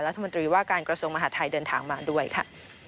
รัฐมนตรีว่าการกระทรวงมหาดไทยเดินทางมาด้วยค่ะ